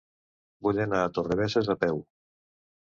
Vull anar a Torrebesses a peu.